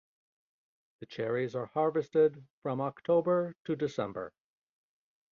The cherries are harvested from October to December.